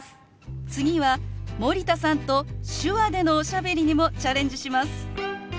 次は森田さんと手話でのおしゃべりにもチャレンジします。